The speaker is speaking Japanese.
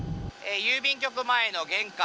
郵便局前の玄関。